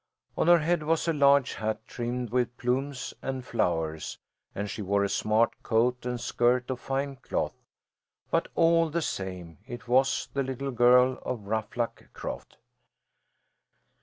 On her head was a large hat trimmed with plumes and flowers and she wore a smart coat and skirt of fine cloth; but all the same it was the little girl of Ruffluck Croft!